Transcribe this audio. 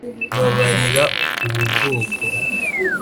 babarira ubu bwoko